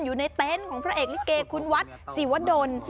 อยู่ในเต็นต์ของพระเอกลิเกคุณวัดสิวดล